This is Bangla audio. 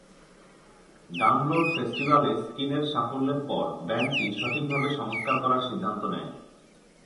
ডাউনলোড ফেস্টিভালে স্কিনের সাফল্যের পর ব্যান্ডটি সঠিকভাবে সংস্কার করার সিদ্ধান্ত নেয়।